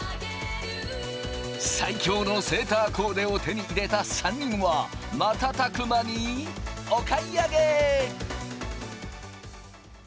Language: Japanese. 最強のセーターコーデを手に入れた３人はまたたく間にお買い上げ！